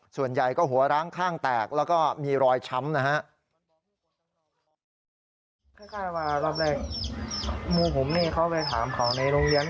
ส่วนใหญ่ก็หัวร้างข้างแตกแล้วก็มีรอยช้ำนะฮะ